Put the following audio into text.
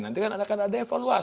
nanti kan ada evaluasi